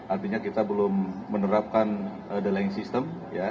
artinya kita belum menerapkan deling system